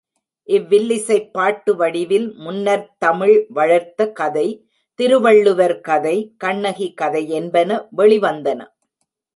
இவ் வில்லிசைப் பாட்டுவடிவில் முன்னர்த் தமிழ்வளர்ந்த கதை, திருவள்ளுவர் கதை, கண்ணகி கதை யென்பன வெளிவந்தன.